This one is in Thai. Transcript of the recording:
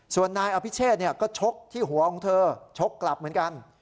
ส่วนนายอภิเชษก็ชกที่หัวของเธอชกกลับเหมือนกัน